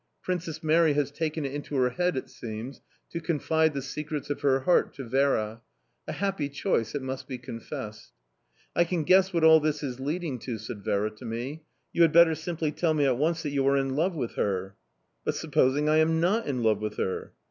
Princess Mary has taken it into her head, it seems, to confide the secrets of her heart to Vera: a happy choice, it must be confessed! "I can guess what all this is leading to," said Vera to me. "You had better simply tell me at once that you are in love with her." "But supposing I am not in love with her?"